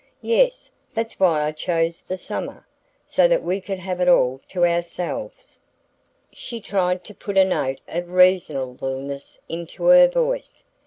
"Yes. That's why I chose the summer: so that we could have it all to ourselves." She tried to put a note of reasonableness into her voice.